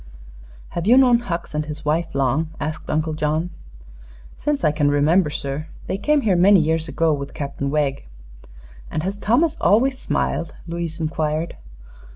"Have you known Hucks and his wife long?" asked Uncle John. "Since I can remember, sir. They came here many years ago, with Captain Wegg." "And has Thomas always smiled?" Louise inquired.